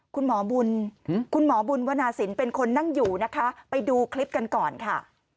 คุณหมอบุญคุณหมอบุญวนาศิลป์เป็นคนนั่งอยู่นะคะไปดูคลิปกันก่อนค่ะ